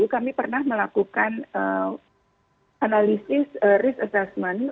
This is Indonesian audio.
kami pernah melakukan analisis risk assessment